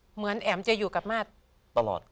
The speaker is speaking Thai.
เหมือนแอ๋มจะอยู่กับมาตรตลอด